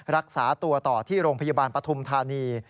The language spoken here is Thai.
รักษาตัวต่อที่โรงพยาบาลปฐุมธานี